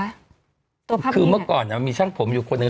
ตัวภาพนี้ค่ะคือเมื่อก่อนอะมีช่างผมอยู่คนหนึ่ง